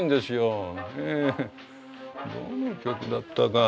どの曲だったか？